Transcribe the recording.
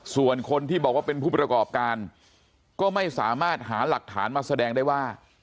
ส่วนคนที่บอกว่าเป็นผู้ประกอบการก็ไม่สามารถหาหลักฐานมาแสดงได้ว่า